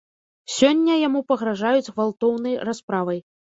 Сёння яму пагражаюць гвалтоўнай расправай.